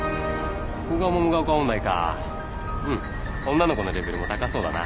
女の子のレベルも高そうだな。